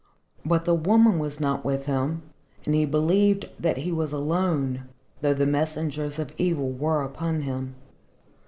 But the woman was not with him, and he believed that he was alone, though the messengers of evil were upon him.